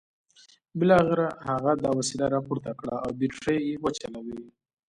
بالاخره هغه دا وسیله راپورته کړه او بیټرۍ یې واچولې